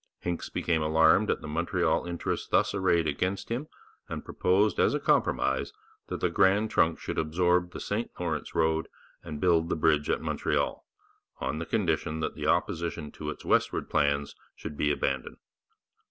Hincks became alarmed at the Montreal interests thus arrayed against him, and proposed as a compromise that the Grand Trunk should absorb the St Lawrence road and build the bridge at Montreal on the condition that the opposition to its westward plans should be abandoned.